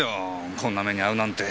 こんな目に遭うなんて。